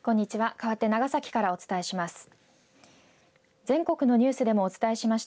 かわって長崎からお伝えします。